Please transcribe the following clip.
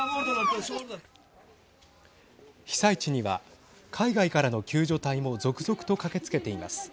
被災地には海外からの救助隊も続々と駆けつけています。